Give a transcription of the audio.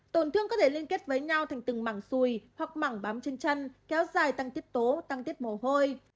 tổn thương có thể liên kết với nhau thành từng mảng xùi hoặc mảng bám trên chân kéo dài tăng tiết tố tăng tiết mồ hôi